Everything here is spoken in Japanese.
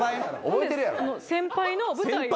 先輩の舞台を。